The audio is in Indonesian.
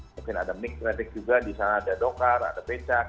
mungkin ada mic traffic juga di sana ada dokar ada becak